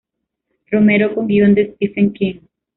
Romero con guion de Stephen King.